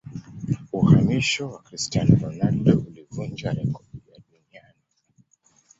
uhamisho wa cristiano ronaldo ulivunja rekodi ya duniani